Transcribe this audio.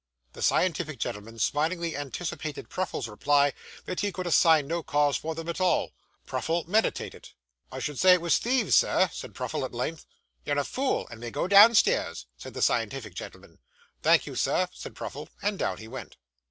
The scientific gentleman smilingly anticipated Pruffle's reply that he could assign no cause for them at all. Pruffle meditated. 'I should say it was thieves, Sir,' said Pruffle at length. 'You're a fool, and may go downstairs,' said the scientific gentleman. 'Thank you, Sir,' said Pruffle. And down he went.